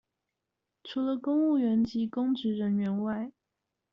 除了公務員及公職人員外